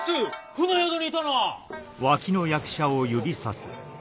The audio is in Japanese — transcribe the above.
船宿にいたのは！